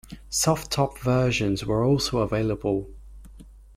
Soft-top versions were also available.